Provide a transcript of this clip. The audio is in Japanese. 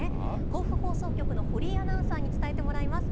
甲府放送局の堀井アナウンサーに伝えてもらいます。